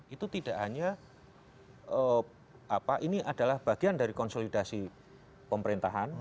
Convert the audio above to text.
itu tidak hanya bagian dari konsolidasi pemerintahan